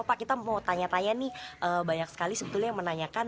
pak kita mau tanya tanya nih banyak sekali sebetulnya yang menanyakan